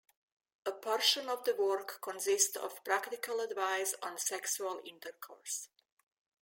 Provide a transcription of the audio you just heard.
A portion of the work consists of practical advice on sexual intercourse.